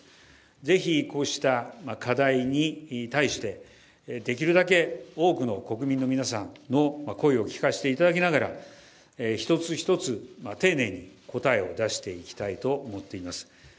ぜひこうした課題に対してできるだけ多くの国民の皆さんの声を聞かせていただきながら一つ一つ、丁寧に答えを出していきたいと思っています